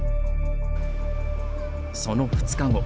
その２日後。